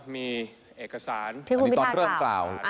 มีเอกสารที่คุณพิธากล่าว